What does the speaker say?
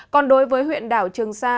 còn đối với huyện đảo trường sa